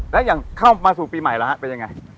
แล้วอย่างเข้ามาสู่ปีใหม่แล้วฮะเป็นยังไง